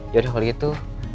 yaudah kali itu